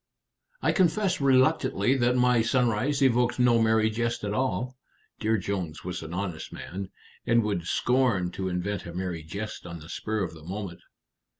"I confess reluctantly that my sunrise evoked no merry jest at all." Dear Jones was an honest man, and would scorn to invent a merry jest on the spur of the moment.